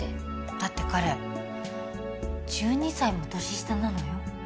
だって彼１２歳も年下なのよ？